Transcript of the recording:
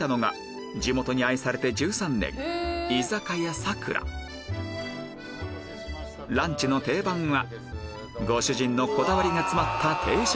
やっと着いたのがランチの定番はご主人のこだわりが詰まった定食